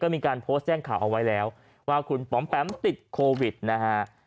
มีการโพสต์แจ้งข่าวเอาไว้แล้วว่าคุณป๋อมแปมติดโควิดนะฮะ